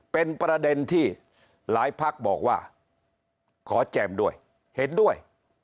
เป็นประเด็นที่หลายพักบอกว่าขอแจ่มด้วยเห็นด้วย